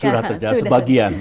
sudah terjawab sebagian